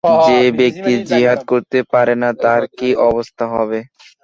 যে ব্যক্তি জিহাদ করতে পারে না তার কী অবস্থা হবে?